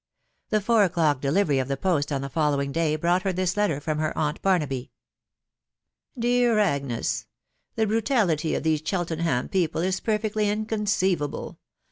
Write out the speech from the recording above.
The four o'clock delivery of the post on the following day brought her this letter from her aunt Barnaby. " Dear Agnes, " The brutality of these Cheltenham people is perfectly in conceivable.